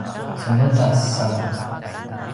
cemedas anga